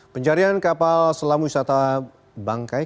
pencarian kapal selam wisata bangkai